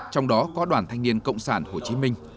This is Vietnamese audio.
trong đó có đoàn thanh niên cộng sản hồ chí minh